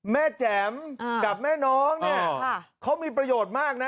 แจ๋มกับแม่น้องเนี่ยเขามีประโยชน์มากนะ